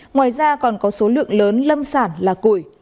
ngoài ra còn có số lượng lớn lâm sản là củi